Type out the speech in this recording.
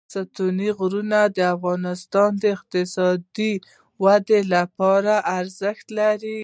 ستوني غرونه د افغانستان د اقتصادي ودې لپاره ارزښت لري.